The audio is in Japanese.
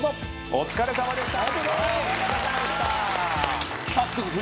お疲れさまでした。